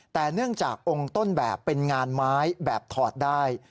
แต่เนื่องจากองค์ต้นแบบเป็นงานไม้แบบถอดได้